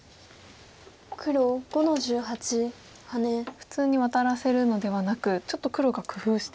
普通にワタらせるのではなくちょっと黒が工夫して。